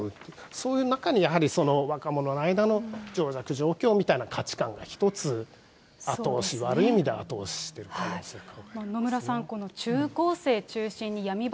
そういう中でやはりその若者の間の情弱情強みたいな価値観が一つ後押し、悪い意味で後押ししている可能性がありますね。